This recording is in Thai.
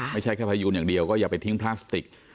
ไม่ใช่แค่พยูนอย่างเดียวก็อย่าไปทิ้งพลาสติก